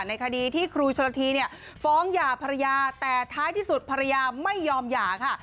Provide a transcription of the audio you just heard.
ในคดีที่ครูชนละทีเนี่ยฟ้องหย่าภรรยาแต่ท้ายที่สุดภรรยาไม่ยอมหย่าค่ะ